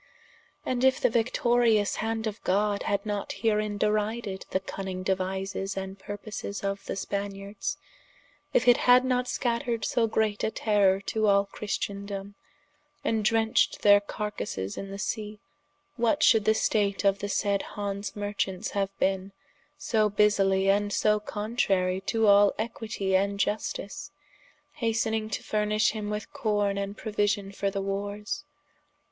And if the victorious hand of God had not herein derided the cunning deuises and purposes of the Spaniards, if it had not scattered so great a terrour to all Christendome, and drenched their carkases in the Sea, what should the state of the said Hanse marchants haue bene, so busily and so contrary to al equitie and iustice, hastening to furnish him with corne & prouision for the warres?